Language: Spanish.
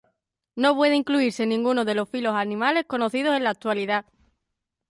No puede incluirse en ninguno de los filos animales conocidos en la actualidad.